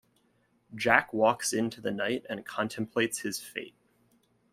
Jack walks into the night and contemplates his fate.